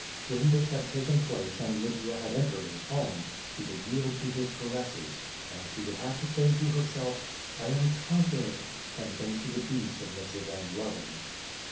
When this had taken place and Lygia had entered his home, she would yield to his caresses, and she would have to say to herself "I am con quered," and then she would be submissive and loving.